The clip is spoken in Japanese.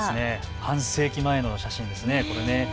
半世紀前の写真ですね。